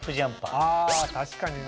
あ確かにね。